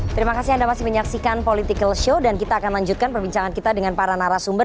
terima kasih anda masih menyaksikan political show dan kita akan lanjutkan perbincangan kita dengan para narasumber